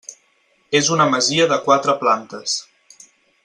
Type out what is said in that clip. És una masia de quatre plantes.